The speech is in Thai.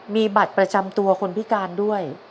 มีบัตรประจำตัวคนพิการด้วย